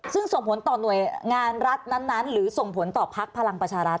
ซึ่งส่งผลต่อหน่วยงานรัฐนั้นหรือส่งผลต่อพักพลังประชารัฐ